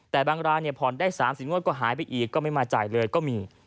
แต่บางรายผ่อนได้๓๐งวดก็หายไปอีกก็ไม่มาจ่ายเลยก็มี